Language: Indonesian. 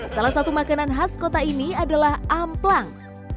salah satu makanan khas kota ini adalah amplang